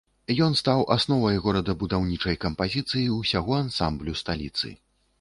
Ён стаў асновай горадабудаўнічай кампазіцыі ўсяго ансамблю сталіцы.